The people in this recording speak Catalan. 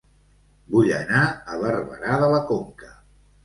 Vull anar a Barberà de la Conca